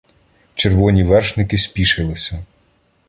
Червоні вершники спішилися.